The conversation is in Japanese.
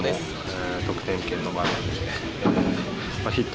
僕も得点圏の場面で、ヒット